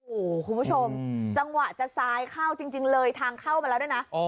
โอ้โหคุณผู้ชมจังหวะจะซ้ายเข้าจริงเลยทางเข้ามาแล้วด้วยนะ